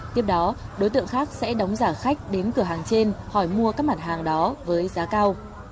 tiếp đó đối tượng khác sẽ đóng giả khách đến cửa hàng trên hỏi mua các mặt hàng đó với giá cao